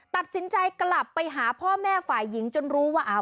ตัดสินใจกลับไปหาพ่อแม่ฝ่ายหญิงจนรู้ว่า